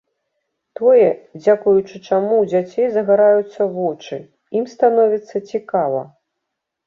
Тое, дзякуючы чаму ў дзяцей загараюцца вочы, ім становіцца цікава.